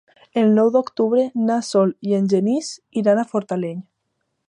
El nou d'octubre na Sol i en Genís iran a Fortaleny.